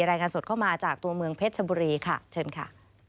รายงานสดเข้ามาจากตัวเมืองเพชรชบุรีค่ะเชิญค่ะ